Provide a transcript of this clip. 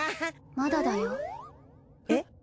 まだだよ。えっ？